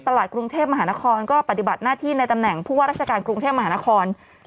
กรุงเทพมหานครก็ปฏิบัติหน้าที่ในตำแหน่งผู้ว่าราชการกรุงเทพมหานคร